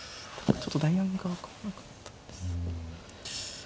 ちょっと代案が分からなかったんです。